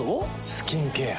スキンケア。